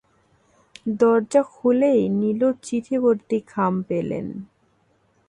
দরজা খুলেই নীলুর চিঠিভর্তি খাম পেলেন।